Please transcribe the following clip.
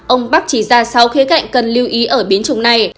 ông bắc chỉ ra sáu khía cạnh cần lưu ý ở biến chủng này